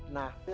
nah dia kok